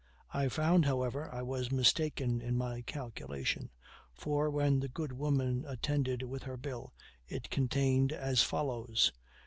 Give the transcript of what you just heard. I found, however, I was mistaken in my calculation; for when the good woman attended with her bill it contained as follows: L. s.